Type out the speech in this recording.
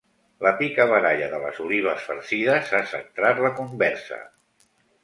La picabaralla de les olives farcides ha centrat la conversa.